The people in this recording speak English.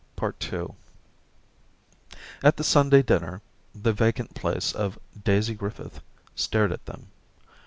224 Orientations II At the Sunday dinner, the vacant place of Daisy Griffith stared at them.